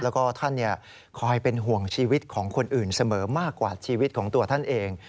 แล้วก็ท่านคอยเป็นห่วงชีวิตของคนอื่นเสมอมากกว่าชีวิตของตัวท่านเอง